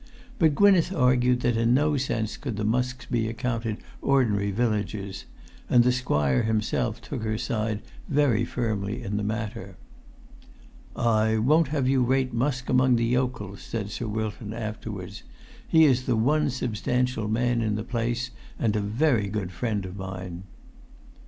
But Gwynneth argued that in no sense could the Musks be accounted ordinary villagers; and the squire himself took her side very firmly in the matter. "I won't have you rate Musk among the yokels," said Sir Wilton afterwards. "He is the one substantial man in the place, and a very good friend of mine."